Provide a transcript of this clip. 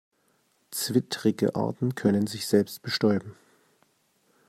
Zwittrige Arten können sich selbst bestäuben.